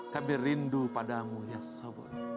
kami rindu padamu ya sabun